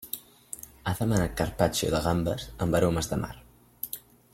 Ha demanat carpaccio de gambes amb aromes de mar.